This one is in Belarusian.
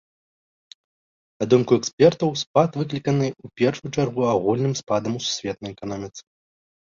На думку экспертаў, спад выкліканы, у першую чаргу, агульным спадам у сусветнай эканоміцы.